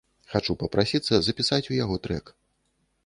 Хачу папрасіцца запісаць у яго трэк.